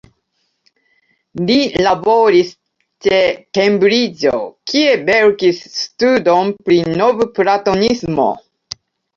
Li laboris ĉe Kembriĝo, kie verkis studon pri Novplatonismo.